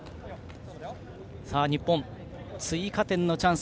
日本、追加点のチャンス